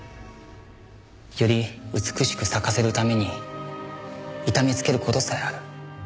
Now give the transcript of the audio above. より美しく咲かせるために痛めつける事さえある。